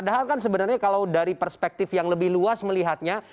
padahal kan sebenarnya kalau dari perspektif yang lebih luas melihatnya